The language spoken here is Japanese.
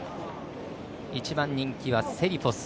１番人気はセリフォス。